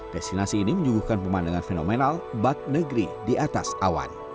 destinasi ini menyuguhkan pemandangan fenomenal bak negeri di atas awan